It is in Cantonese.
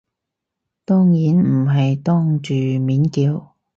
當然唔係當住面叫